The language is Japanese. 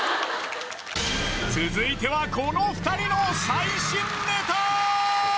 続いてはこの２人の最新ネタ！